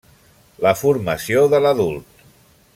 La formació de l'adult.